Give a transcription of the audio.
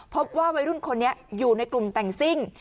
พบว่าวัยรุ่นคนนี้อยู่ในกลุ่มแต่งซิ่ง